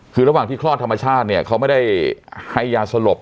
คือระหว่างที่คลอดธรรมชาติเนี่ยเขาไม่ได้ให้ยาสลบ